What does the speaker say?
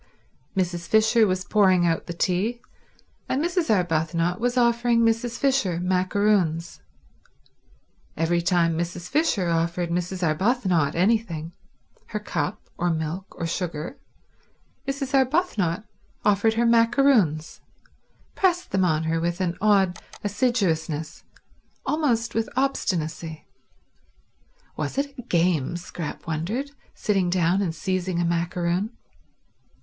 Mrs. Fisher was pouring out the tea, and Mrs. Arbuthnot was offering Mrs. Fisher macaroons. Every time Mrs. Fisher offered Mrs. Arbuthnot anything—her cup, or milk, or sugar—Mrs. Arbuthnot offered her macaroons—pressed them on her with an odd assiduousness, almost with obstinacy. Was it a game? Scrap wondered, sitting down and seizing a macaroon.